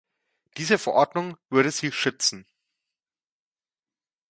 Diese Verordnung würde sie schützen.